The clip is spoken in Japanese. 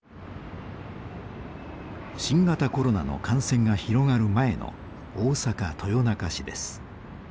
新型コロナの感染が広がる前の大阪・豊中市です。